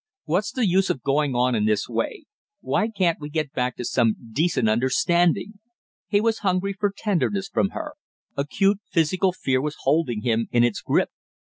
"What's the use of going on in this way, why can't we get back to some decent understanding?" He was hungry for tenderness from her; acute physical fear was holding him in its grip.